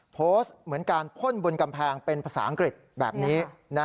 โพสต์เหมือนการพ่นบนกำแพงเป็นภาษาอังกฤษแบบนี้